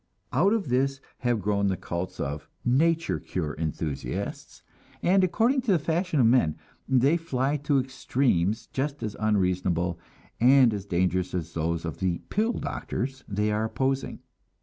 Out of this have grown the cults of "nature cure" enthusiasts; and according to the fashion of men, they fly to extremes just as unreasonable and as dangerous as those of the "pill doctors" they are opposing.